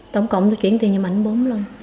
tổng cộng tôi chuyển tiền giùm anh bốn lần